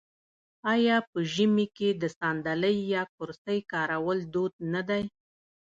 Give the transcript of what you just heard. آیا په ژمي کې د ساندلۍ یا کرسۍ کارول دود نه دی؟